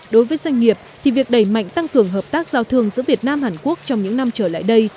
đối với doanh nghiệp thì việc đẩy mạnh tăng cường hợp tác giao thương giữa việt nam hàn quốc trong những năm trở lại đây